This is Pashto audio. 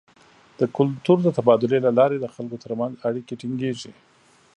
د کلتور د تبادلې له لارې د خلکو تر منځ اړیکې ټینګیږي.